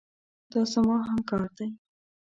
دا زما همکار دی.